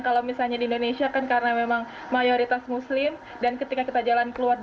kalau misalnya di indonesia kan karena memang mayoritas muslim dan ketika kita jalan keluar